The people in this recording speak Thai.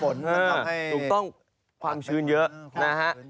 ถูกต้องความชื้นเยอะนะฮะ